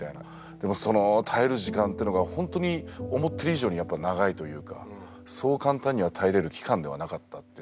でもその耐える時間ってのがほんとに思ってる以上にやっぱ長いというかそう簡単には耐えれる期間ではなかったっていうのは。